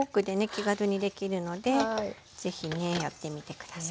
気軽にできるので是非ねやってみて下さい。